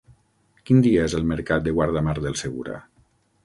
Quin dia és el mercat de Guardamar del Segura?